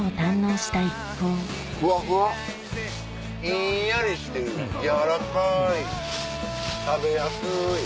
ひんやりしてる軟らかい食べやすい。